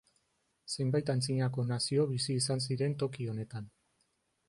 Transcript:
Zenbait antzinako nazio bizi izan ziren toki honetan.